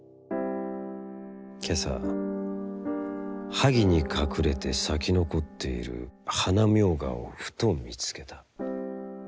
けさ、萩にかくれて咲き残っている花茗荷をふと見つけた。